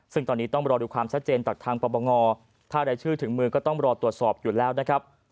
ซึ่งตอนนี้ต้องรอดูความชัดเจนจากทางประบงถ้ารายชื่อถึงมือก็ต้องรอตรวจสอบอยู่แล้วนะครับ